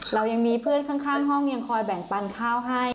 เรายังมีเพื่อนข้างห้องยังคอยแบ่งปันข้าวให้